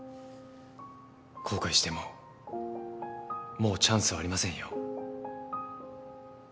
後悔してももうチャンスはありませんよ？